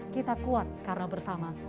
kita kuat karena bersama